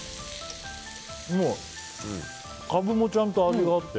カブもちゃんと味があって。